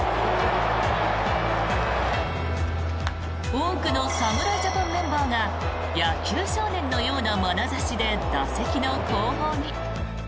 多くの侍ジャパンメンバーが野球少年のようなまなざしで打席の後方に。